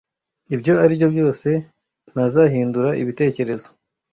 Ibyo aribyo byose, ntazahindura ibitekerezo.